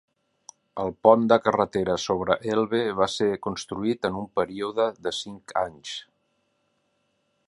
El pont de carretera sobre Elbe va ser construït en un període de cinc anys.